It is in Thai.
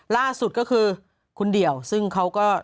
ล่าสุดก็คือคุณเดี่ยวซึ่งเขาก็